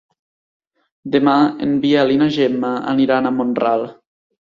Demà en Biel i na Gemma aniran a Mont-ral.